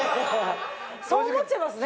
そう思っちゃいますね。